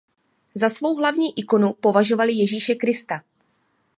Za svou hlavní ikonu považovali Ježíše Krista.